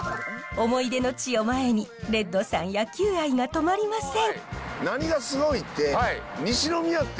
思い出の地を前にレッドさん野球愛が止まりません。